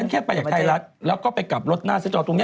แค่ไปจากไทยรัฐแล้วก็ไปกลับรถหน้าซื้อจอตรงนี้